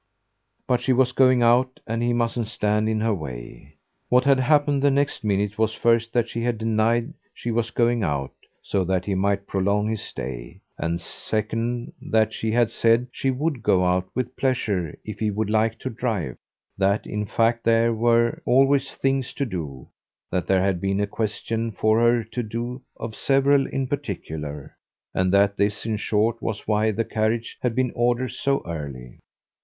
But she was going out, and he mustn't stand in her way. What had happened the next minute was first that she had denied she was going out, so that he might prolong his stay; and second that she had said she would go out with pleasure if he would like to drive that in fact there were always things to do, that there had been a question for her to day of several in particular, and that this in short was why the carriage had been ordered so early.